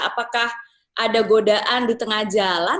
apakah ada godaan di tengah jalan